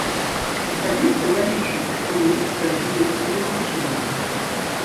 Асабіста я лічу, што мы зрабілі немагчымае.